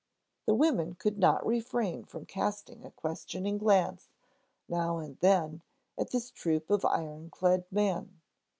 The women could not refrain from casting a questioning glance, now and then, at this troop of iron clad men.